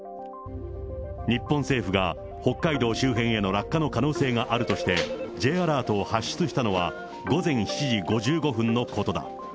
日本政府が北海道周辺への落下の可能性があるとして、Ｊアラートを発出したのは午前７時５５分のことだ。